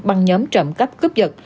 bằng nhóm trậm cấp cướp dật